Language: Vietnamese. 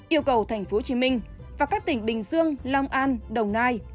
yêu cầu tp hcm và các tỉnh bình dương long an đồng nai